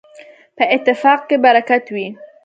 په اتفاق کي برکت وي.